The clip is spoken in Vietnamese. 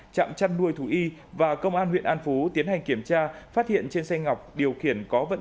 trạm chăn nuôi thú y và công an huyện an phú tiến hành kiểm tra phát hiện trên xe ngọc điều khiển có vận